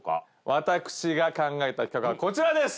私が考えた企画はこちらです